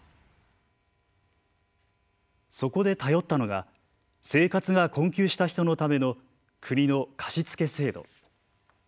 そこで頼ったのが生活が困窮した人のための国の貸付制度。